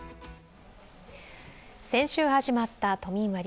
先週始まった都民割。